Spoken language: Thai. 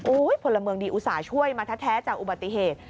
พลเมืองดีอุตส่าห์ช่วยมาแท้จากอุบัติเหตุ